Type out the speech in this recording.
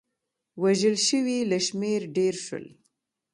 وژل شوي له شمېر ډېر شول.